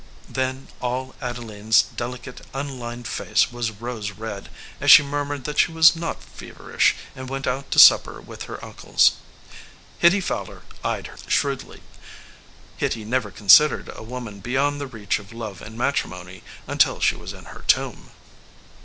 Then all Adeline s delicate unlined face was rose red, as she murmured that she was not fever ish, and went out to supper with her uncles. Hitty Fowler eyed her shrewdly. Hitty never considered a woman beyond the reach of love and matrimony until she was in her tomb.